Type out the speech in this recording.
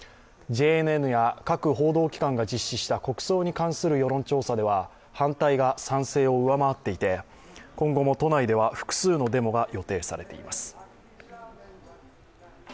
ＪＮＮや各報道機関が実施した国葬に関する世論調査では反対が賛成を上回っていて、今後も都内では複数のデモが予定されています。